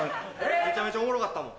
めちゃめちゃおもろかったもん。